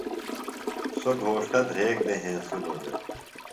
سوۡ گھوݜٹہ دھریگ دے ہنسِلوۡ دےۡ۔